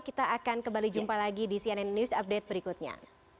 kita akan kembali jumpa lagi di cnn news update berikutnya